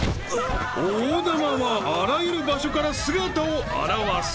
［大玉はあらゆる場所から姿を現す］